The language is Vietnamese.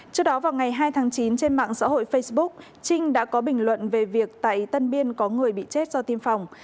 trước đó vào ngày hai tháng chín trên mạng xã hội facebook trinh đã có bình luận về việc tại tân biên có người bị chết do tiêm phòng